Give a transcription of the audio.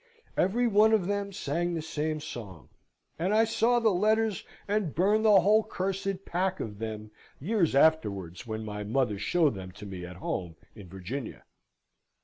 Every one of them sang the same song: and I saw the letters, and burned the whole cursed pack of them years afterwards when my mother showed them to me at home in Virginia.